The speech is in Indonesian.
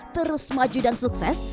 terus maju dan sukses